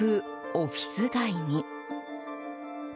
オフィス街に。